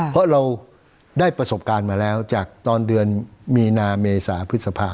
เพราะเราได้ประสบการณ์มาแล้วจากตอนเดือนมีนาเมษาพฤษภา